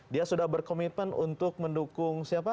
dia sudah berkomitmen untuk mendukung siapa